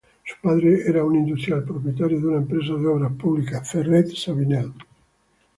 Su padre era un industrial propietario de una empresa de obras públicas, "Ferret-Savinel".